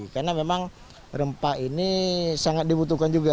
karena memang rempah ini sangat dibutuhkan